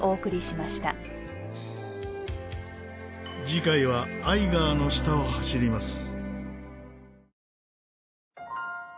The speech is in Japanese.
次回はアイガーの下を走ります。